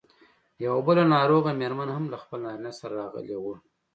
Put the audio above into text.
یوه بله ناروغه مېرمن هم له خپل نارینه سره راغلې وه.